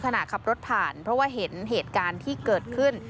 ขณะขับรถผ่านเพราะว่าเห็นเหตุการณ์ที่เกิดขึ้น